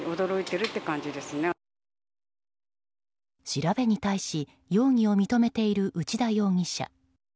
調べに対し、容疑を認めている内田容疑者。